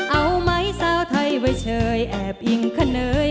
เอาไหมสาวไทยไว้เฉยแอบอิงคะเนย